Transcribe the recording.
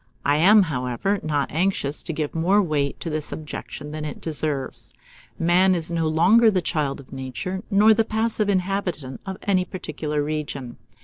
I am, however, not anxious to give more weight to this objection than it deserves. Man is no longer the child of Nature, nor the passive inhabitant of any particular region.